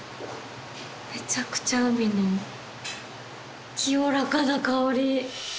めちゃくちゃ海の清らかな香り。